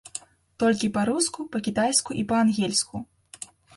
Толькі па-руску, па-кітайску і па-ангельску.